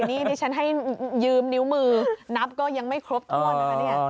นี่ฉันให้ยืมนิ้วมือนับก็ยังไม่ครบครบเงิน